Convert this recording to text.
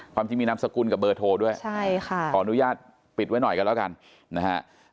จริงมีนามสกุลกับเบอร์โทรด้วยใช่ค่ะขออนุญาตปิดไว้หน่อยกันแล้วกันนะฮะ